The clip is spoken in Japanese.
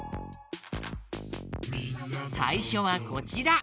さいしょはこちら。